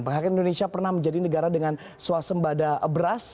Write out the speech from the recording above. bahkan indonesia pernah menjadi negara dengan swasembada beras